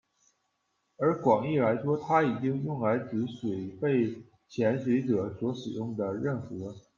而广义来说，它已经用来指水肺潜水者所使用的任何。